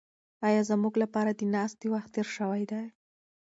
ایا زموږ لپاره د ناستې وخت تېر شوی دی؟